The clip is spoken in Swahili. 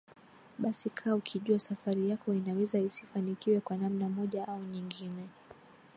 basi kaa ukijua safari yako inaweza isifanikiwe kwa namna moja au nyingine